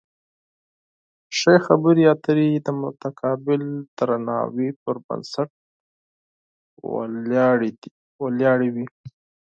ښې خبرې اترې د متقابل درناوي پر بنسټ ولاړې وي.